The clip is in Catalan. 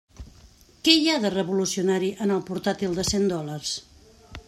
Què hi ha de revolucionari en el portàtil de cent dòlars?